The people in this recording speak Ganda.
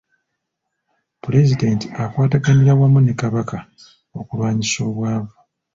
Pulezidenti akwataganira wamu ne Kabaka okulwanyisa obwavu.